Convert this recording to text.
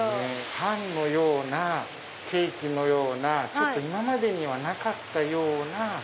パンのようなケーキのような今までにはなかったような。